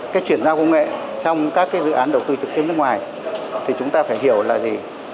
cái chuyển giao công nghệ trong các cái dự án đầu tư trực tiếp nước ngoài thì chúng ta phải hiểu là gì